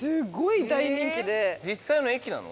実際の駅なの？